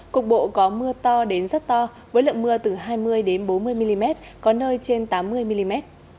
cục bộ có mưa to đến rất to với lượng mưa từ hai mươi bốn mươi mm có nơi trên tám mươi mm